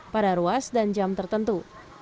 pada ruas dan jam tertentu